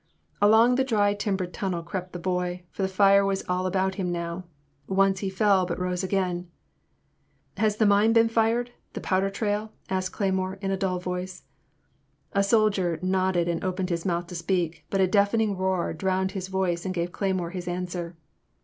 Along the dry timbered tunnel crept the boy, for the fire was all about him now« Once he fell but rose again. *' Has the mine been fired — ^the powder trail ?" asked Cleymore, in a dull voice. A soldier nodded and opened his mouth to speak, but a deafening roar drowned his voice and gave Cleymore his answer.